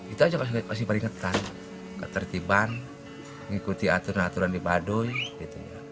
itu aja masih peringatan ketertiban ngikuti aturan aturan di baduy gitu ya